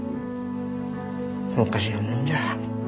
おかしなもんじゃ。